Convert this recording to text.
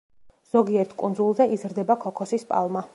ზოგიერთ კუნძულზე იზრდება ქოქოსის პალმა.